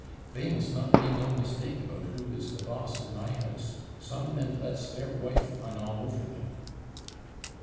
They must not be /no/ mistake about who is the boss in my house. Some men /lets/ their /wife/ run all over them....